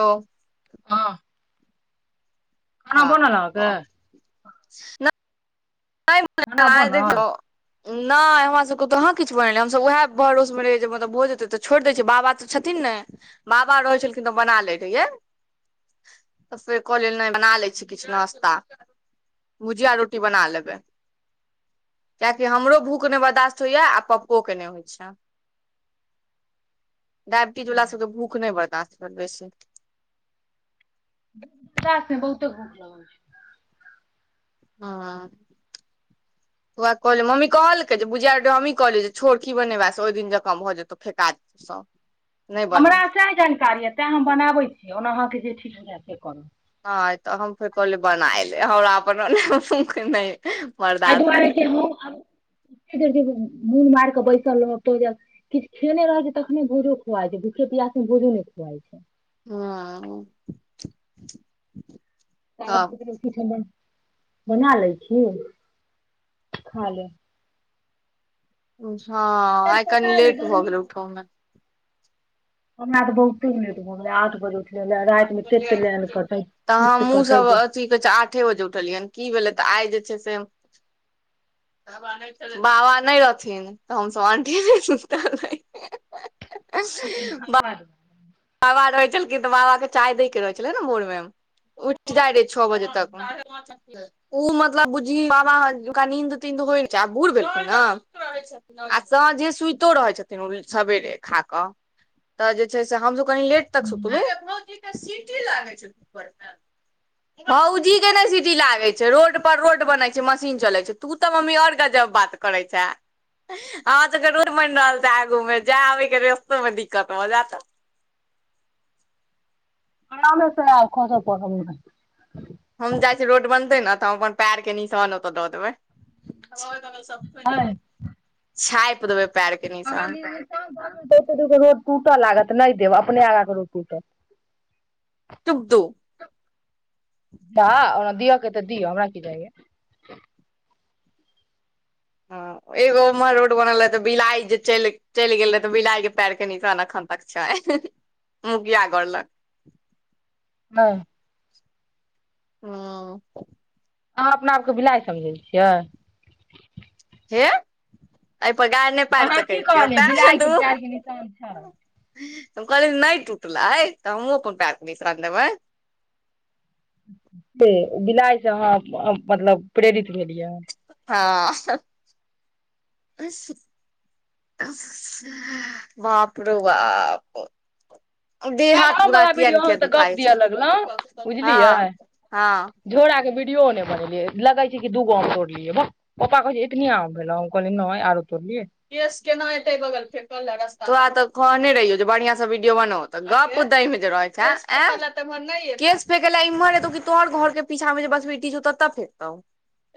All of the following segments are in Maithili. ओ ह आनाा हँ पन नेके [unintelligible] आ किलो [unintelligible] नहि हमरा सबके तऽ अहाँ किछु बनेलै हमस उएह भरोसमे रहै जे मतलब भऽ जेतै तऽ छोड़ि दै छैै बाबा तऽ छथिन ने बाबा रहै छलखिन त बना लै रह भु रो बना ले [unintelligible] कियकि हमरो भूख नहि बर्दाश्त होइएा आ पप्पोके नहि होइ छै डायबिटीज वला सभके भूख नहि बर्दास्त कर बेसी पास बहुते भूख लगै छै हँ तरा कहलिय मम्मी कहलकै जे बुझा मम्मी कहलियै जे छोर की बनेबास से ओहि दिन जका भऽ जेतौ फेेकाज त हमरा स जानकारी यए तैँ हम बनाबैत छी ओना अहाँकेँ जे ठीक हुए से करू हँ तऽ हम फ कल बनाएल हमरा अपन नहि एहि बर्दाश्त हैत दुआरे मून मार के बैसल रह तो किछ खेने रह छ छै तखने भूजो खुआ छै भूखे पियास मे भोजो जाईछी हँ ताय ल तब क उठब बना लै छी खा लए हँ आइ कनी लेट भऽ गर्मी गेलै उठोमे हमरा त बहुते लेट भ गेलै आठ बजे छै तऽ हमूँ कटै सब अथी कहै छै आठे बजे उठलियैन की भेलै तऽ आइ जे छै से बाबा नै छलैथ बाबा नहि रहथिन तऽ हमसभ अंठियेने सुतल रहियै बा हूँ बाबा रहै छलखिन तऽ बाबा के चाय दय के रहै छलै न भोरमे उठि जाइ रहे छौ बजे तक साढ़े पांच ओ मतलब बुझी बाबाक नींद तीन बुढ़ भेलखिन न आ सांझे सुइतो रहै छथिन ओ सबेरे खा क हं तऽ जे छै से हमसब कनि लेट तक सुतबै सीटी लागे छैन उपरमे भौजी के नै सीटी लागै छै रोड पर रोड बनैत छै मशीन चलैत छै तू तऽ मम्मी और गज़ब बात करै छै हँ त अखन रोड ब‌इन रहल छै आगूमे जाय आबयके रेस्तोमे दिक्कत भ जायत नाले स आउ खसो परब नै त हम जाइ छियै रोड बनतै न तऽ हम अपन पैरके निशान ओतय दऽ देबै है छाइप देबै पैर के निशान त ओतेक दुरके रोड टूट लागत ऽ नहि देब अपने आगा के रोड टूटत चुप तु त ओना दियके ऐ तऽ दिय हमरा की जाइया हँ एगो उम्हर रोड बनल रहे त बिलाइ जे चलि गेल रहे त बिलाइ के पैर के निशान एखन तक छै मुखिया घर लग हँ हँ अहाँ अपना आपके बिलाइ समझैत छियै हे अई प गारि नहि पारि अहाँ सकै की छियौ कहलियै तैंह बिलाइ तूं के त पैर के निशान छै हम कहलियै नहि टूटलै तऽ हमूँ अपन पैर क निशान देबै से बिलाईसँ अहाँ मतलब प्रेरित भेलियै हँ ह्ह बाप रौ बाप देह हाथ काल्हि हम पूरा वला किया वीडियो नहि किया अहाँ तऽ गप दुखाय छै दिअ लगलहुँ सुतल सुतल बुझलियै हँ हँ झोरा के विड यो नै बनेलियै लगै छै कि दूगो आम तोड़लियै भक पप्पा कहै छै एतनी आम भेलौ हम कहलियै नै आरो तोड़लियै केस केना एतै बगल फेंक लै अगस् तोरा तऽ कहने रहियौ जे बढ़िया से वीडियो बनो तऽ अगे गप दय मे जे रहै छै केस फेकैला त एम्हर नै केश फेंक ला इम्हर एतौ कि तोहर घर के पीछा मे ज बसबिट्टी छौ तत्त फेकतौ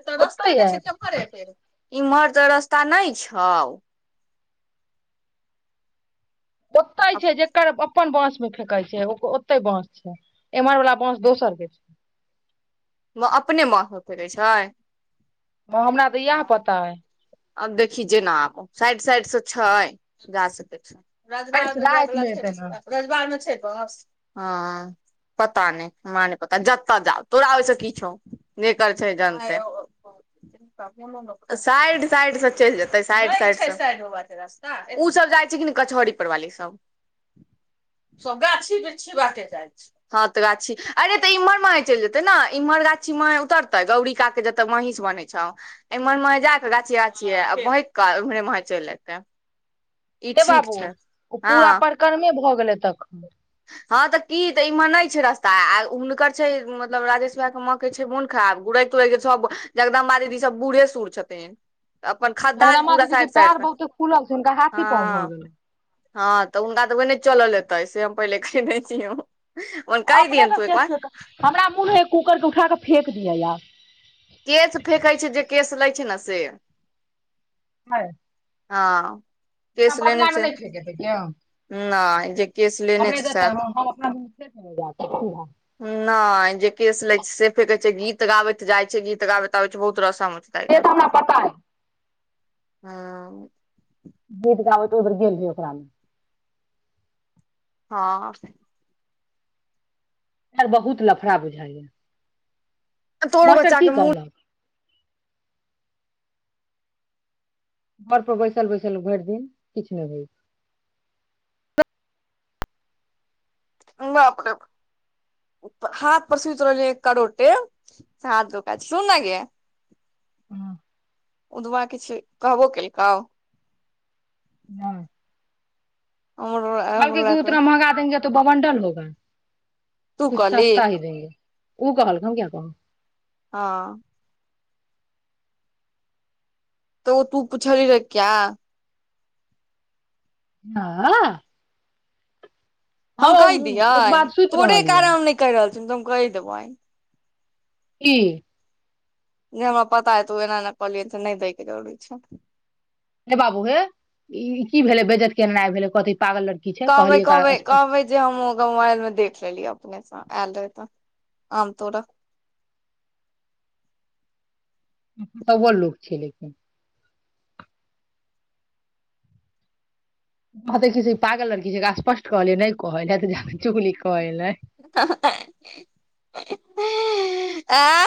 एत ओतै रस्ते नै आयत छै केम्हर एतै इम्हर त रस्ता नहि छै हां उ ओत्तै छै जेकर अपन बांस मे फेकै छै ओ ओते बांस छै एम्हर वाला बांस दोसर के छै म अपने बांस म फेकै छै हमरा तऽ इएह हाँ पता अइ अब देखी जेना आबौ साइड साइड से छै जा सकै छै रजवाड़ अरे मे जाय राति वला छै एतै ने रस्ता रजवाड़ में छै बहस हँ पता नहि हमरा नहि पता जतऽ जाउ तोरा ओहिसँ कि छौ जेकर छै जनतै [inaudible] साइड साइड से चईल जेतै साइड साइड स नय छय साइड बाटे रस्ता ओ सब जाइ छै कि न कचहरी पर वाली सब सब गाछी बिरछी बाटे जाय छय हँ तऽ गाछी अरे तऽ इमहर माहे चईल जेते न इम्हर गाछी माहे उतरते गौरीका के जत महीष बनेै छौ एम्हरमे जााकऽ गाछिए गाछिए आ बहैँक कऽ एमहरे माहे चईल एतै ई हे ठीक बाबू छै ओ हँ पूरा परक्रमे भऽ गेलै तखन हँ तऽ की तऽ इमहर नय छै रास्ता आ हुनकर छै मतलब राजेश भाय के माँ के छै मोन खाराब आब गुरै तुड़ै के सब जगदम्बा दीदी सब बूढ़े सूढ़ छथिन अपन खद्धा छै जगदम्बा पूरा दीदी के साइड पैर साइडसँ बहुते फूलल छै हुनका हाथी हँ पाँव भऽ गेलै हँ तऽ हुनका तऽ ओहिने चलल हैतै से हम पहिले कहि दयै छीऔ अपने सभके हमरा मोन होइया कूकरकेँ उठा कऽ फेेक दियै आब केश फेेकै छै जे केश लै छै ने से [unintelligible] हँ जेना केश लेने बदलामे छै नहि खेलिये तेलिये नहि जे केश लेने हमरे छै देख सएह के हँ हम अपना [unintelligible] नहि जे केस लै छै से फेकै छै गीत गाबैत जाइ छै गीत गावेत बहुत रसम [unintelligible] से तऽ हमरा पता अइ हँ गीत गाबै तऽ उधर गेल रहे ओकरामे हँ [unintelligible] बहुत लफड़ा बुझाइए तोरो बच्चाके मुड़ घर पर बैसल बैसल भेर दिन किछु नहि हो बाप रे बाप हाथ पर सुत‌ रहलिए एक करोटे से हाथ दुखाइ छै सुन नऽ गे हँ उदबा किछु कहबो केलकौ नहि हमरो कहलकै हमरो की रात मे उतना महगा देंगे तो बमंडल होगा तू कहली ऊ कहलकै हम किया कहबै हँ तऽ तु पूछली रहे क्या हाँ हम केह एक दियै बात सुति तोरे रहलियै कारण हम नहि केह रहल छिये तऽ हम कहि देबै की जे हमरा पता अइ तु एना एना कहलिए तऽ नै दै के जरूरी छै हे बाबू हे ई की भेलै बेजति केनाइ भेलै कहते कहबै कहबै कहबै जे हम ओकरा मोबाइल मे देख लेलियै अपने ऐल रहै तऽ आम तोर अव्वल लोक छै लेकिन कहतै कि जे पागल लड़कि जेकाँ स्पष्ट कहलियै नहि कहैले तऽ जाकऽ चुगली कऽ ऐलै ऐं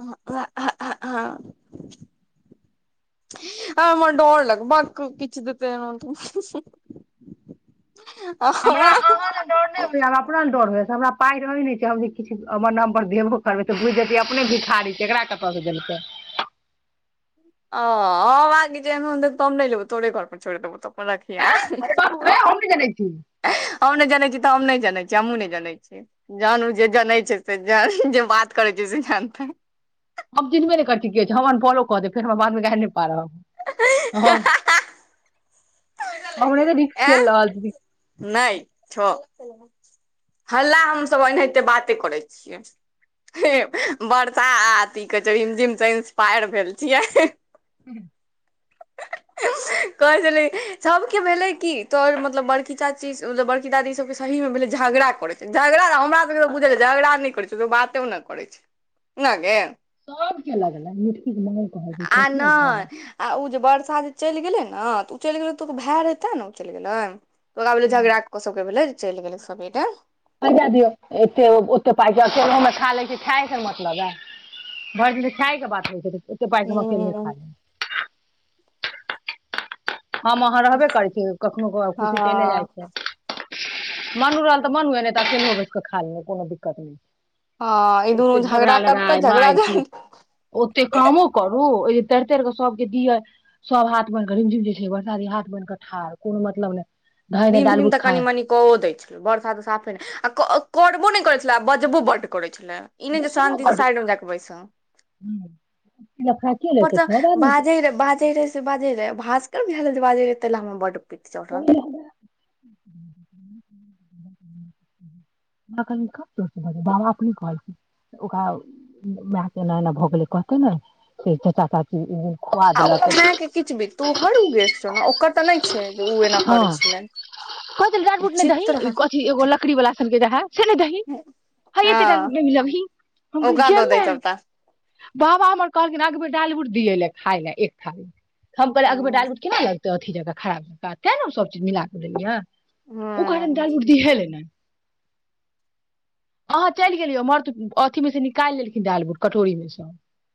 हँ आ हमरा डर लगै भक्क किछ देतै नै तऽ हमरा अहाँ ले डर नहि होइ मे आब अपना नले डर होइ तऽ हमरा पाइ रहै नहि छै हम जे किछु हमर नामपर देबो करबै तऽ बुझ जेतै अपने भिखारी छै एकरा कतऽ सँ देबै तऽ ओ बागी जा अ त नहि लेब तोरे घर पर छोड़ देबौ तऽ अपन राखि ऐं अरे बाबू रे हम नहि जनै छी हम नहि जनै छी तऽ हम नहि जैँ छ हमूँ ने जानै छियै जानु जे जनै छै से ज जे बात करै छै से जानतै हह - हम चिन्हबे नहि करै छियै के छै हमअनॉफालो क दे फेर हमरा बादमे गाइर नहि पारब हाँ ओने तऽ रिक्स ए खेल रहल छी नहि छौ हल्ला हमसभ एनाहिते बाते करै छियै हे वर्षाथी कहै छै रिमझिम से इंसपायर भेल छियै [unintelligible] ह ऐं कहै छलै सबके भेलै कि तोहर मतलब बड़की चाची बड़की दादी सब सही मे भेल झगड़ा करै छै झगड़ा हमरा सब बझ झगड़ा नहि करै बातो नहि कर छै नागे सबके लगलै मिटकी के माँग कहै छै आ कथी लए कहै नहि उ जे वर्षा जे चलि गेलै ने तऽ उ चलि गेलै तऽ ओ भाय हेते ने उ चलि गेलै त ओकरा भेले झगड़ा कऽ सबके भेल चलि गेलै सबेरे पैसा दियौ एत ओते पाइ छै अकेलहुमे खा लै छी खाय से मतलब है भर दिन तऽ खाय के बात होइ छै त ओे पाइ हमअकेले हूँ खा ले हम अहाँ रहबे करै छी कखनो खुशी चलि जाइ हँ छै मनू रहल तऽ मनुए नहि त अकेलोह बैठ क खा लेलू कोनो दिक्कत नहि हँ ई दुनू ओते झगड़ा करतै लड़ाई मार झगड़ा पीट ओते कामो करू ओ जे तैर तर के सब के दिये सब हाथ में घिम घिम बरसादी हाथ बन कऽ ठाड़ कोनो मतलब नहि धैर्य नहि नीम नीम डालबुट तऽ कनि खाइ मनि कऽओ दै छलै बरसात तऽ साफे नहि आ क करबो नहि करय छलैह बजबो बड करय छल ई नहि जे शान्ति साइडमे जाक बैसब लफड़ा के ऊपर लेतै तऽ सब आदमी के बाजै रह बाजै रहै से बाजै रहै भास त धीरे धीरे बाजय हाय तेला हमरा बड पित्त चढ़ल [inaudible] एखन बाबाकें नहि कहलिए ओकरा मायके एना एना भऽ गेलै कहते ने से चाचा चाची खुआ आ देलक ओकर माय के किछ भी तू हर उ गैस छहुना ओकर तऽ नहि छै उएना करै छलन उते डांटा बुट नहि दहिं कथी एगो लकड़ी वाला सा से नहि दहिं हइए एते दालमुट नहि मिलबहि ओकरा द दहिं सबटा बाबा हमर कहलखिन अगब डालमुट पिय लय खायल एक थारी हम कहलिए अगबे हँ डालबुट केना लगतै अथी जंका खराब ज तैं ने ओ सब चीज मिलाके दैलिअन ओ कहै रहै हँ दालमुट दिहांलय नैय [inaudible] अहाँ चलि गेलियौ मर्द अथि मे से निकालि लेलखिन दालि बोट कटोरी मे से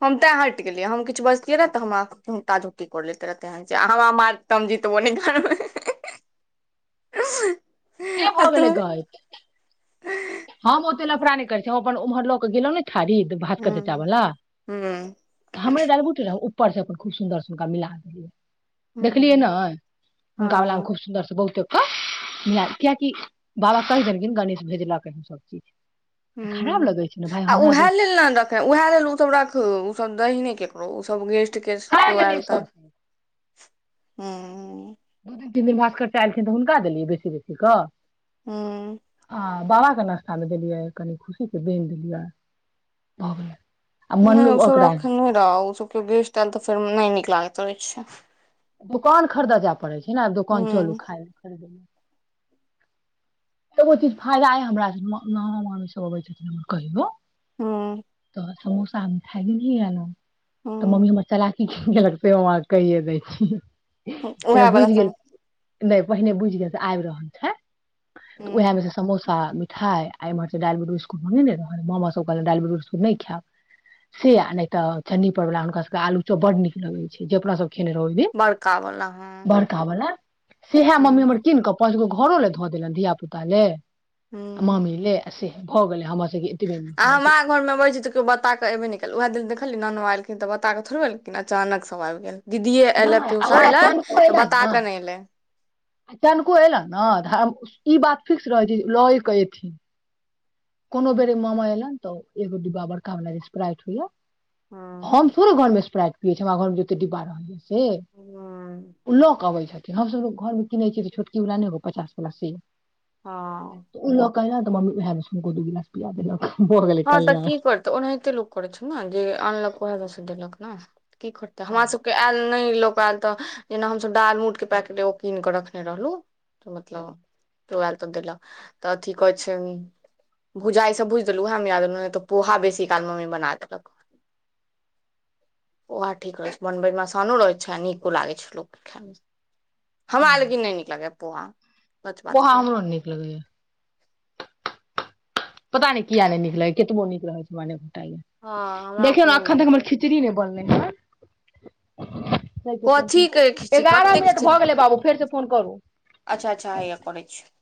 हम तें हटि गेलियै हम किछ बजतै रहै तऽ हम ताजो कर ले रहेे त ओ नहि हें हें से भऽ गेलै गैय हम ओते लफड़ा नहि करैत छी हम अपन उम्हर लऽ केऽ गेलहुँ ने थारीक भात कटेता हँ वला हूं हँ तऽ हमरे दालि उठलहुँ उ उपर सँ अपन खूब सुन्दर हुनका मिला देलियै देखलियै ने हुनका वलामे खूब सुन्दरसे बहुते म कियकि बाबा कहि देलखिन गणेश भेजलक हन सब चीज खराब हुँ लगै छै ने भाय आ हमरा दो उएह लेल ने रखे उएह लेल ओसभ रखू ओसभ दहीने केकरो ओ सब गेस्ट के खा केओ गेलै आयल तऽ सब ह्म दू दिन तीन दिन भास्करचि एयलखिन तऽ हुनका देलियै बेसी बेसीे कऽ ह्मं आ बाबा के नश्ता देलियै कनि खुशी के बन देलियै भगैलै नहि ओसभ रखने नहि रह ओसभ केओ गेस्ट आयल तऽ फेर नहि नीक लागैत रहैत छै दोकान खरीदय जाय पड़ै छै दोकान हूं चलू खाय तऽ ओ चीज फायदा हइ हमरा नहामामी स ब अबै छथिन हमर कहियो हुँ - तऽ समोसा खाय ले लिय हन त मम्मी हूं हमर चला की कहिये दै छी उएह बला बुझि गेल सब नहि पहिने बुझ गेल आब रहल छै त हूं उएह मे मिठाइ आ एमहर से दाल बूट बिस्कुट मंगे रहै मामा सब कहल दाल बूट बिस्कुट नहि खायब से आ नहि तऽ चन्नी पर वला हुनका सबके आलू चौप बड नीक लगै छै जे अपना सब खेन रहूँ नीक बड़का बला हँ बड़का बाला सेहऽ मम्मी हूं हमर कीन क पाँच गो घरो ले ध देलनि धिया पुता ले हूं मामी ले आ से भऽ गेले हमर सबके एतबे मे आ भऽ जाइ हमरा छै घरमे अबै छी तऽ केओ बता के अबे नहि केलल उएह दिन देखली न मोबाइल के कि तऽ बताकऽ थड़े लेकिन अचानक सब आबि गेल दीदीे एऐले नहि प्यूसा अगर एलै तऽ बता कऽ ने एले आचानको एयलन ने तऽ ई बात फिक्स रहै छै लऽयकेऽ अयथिन कोनो बेरे मामा एलनि तऽ एगो डिब्बा बरका मे स्प्राट होइय हूं हम थोरे घरमे स्प्राइट पियै छ हमरा घरमे जते डिब्बा रहै से हूँ लकऽ अबै छथि हमसभ घरमे किनै छियै तऽ छोटकीवला नहि हौ पचास वला से हां कालिह तऽ मम्मी उहा मे सँ दु गिलास पिया देलक भऽ गेलै हँ तऽ कल्याण की करत ओनाहिते लोक करैत छै न जे आनलक ओएह मे से देलक न की करतै हमरा हँ सबके आयल नहि लोक तऽ जेना हमसभ दाल मुटके पैकिट एगो कीन कऽ रखने रहलु तऽ मतलब तऽ देल तऽ थी कहै छै भुजा ईस भुज द उहा मे मिला देलहुँन नैय तं पोहा बेसी काल मम्मी बना देलक ओहा ठीक रहै छै बनबइमे असानो रहै छै आ नीको लागे छै लोक खायमे हमार लेकिन नहि निकलगौया पोहा सच बात पोहा कहियौ हमरो नीक नैय लगैए पता नहि किया नहि निक लागै कतबो नीक रहै माने हँ हमरा देखियो न अपनो अखन त नहि हमर खिचड़ी नैय बनलै हन कथी के खिचड़ी कते एगारह मिनट खिचड़ी भऽ गेलै बाबू फेरसँ फोन करू अच्छा अच्छा हैया करै छियोउ